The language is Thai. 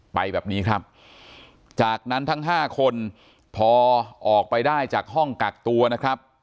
ไปแบบนี้ครับจากนั้นทั้ง๕คนพอออกไปได้จากห้องกักตัวนะครับ